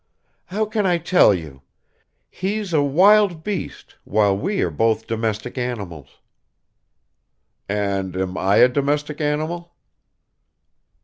"How can I tell you? He's a wild beast, while we are both domestic animals." "And am I a domestic animal?"